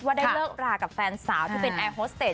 ได้เลิกรากับแฟนสาวที่เป็นแอร์โฮสเตจ